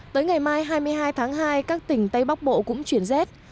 tới ngày mai hai mươi hai tháng hai các tỉnh tây bắc bộ cũng chuyển rét